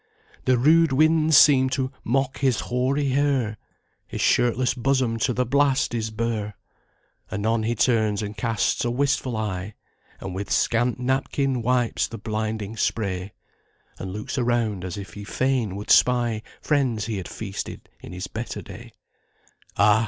"The rude winds" seem "to mock his hoary hair;" His shirtless bosom to the blast is bare. Anon he turns and casts a wistful eye, And with scant napkin wipes the blinding spray; And looks around, as if he fain would spy Friends he had feasted in his better day: Ah!